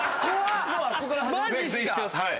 はい